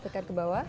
tekan ke bawah